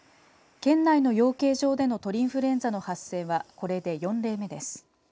県内の養鶏場での鳥インフルエンザの発生はこれで４例目です。